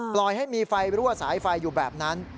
ปล่อยให้มีไฟรั่วสายไฟอยู่แบบนั้น